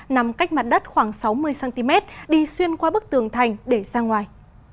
nằm cách mặt đất khoảng sáu mươi cm đi xuyên qua bức tường thành để sang ngoài